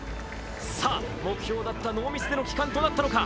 さぁ、目標だったノーミスでの帰還となったのか。